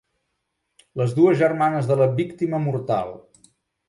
Les dues germanes de la víctima mortal.